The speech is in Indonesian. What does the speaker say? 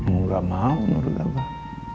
enggak mau menurut abah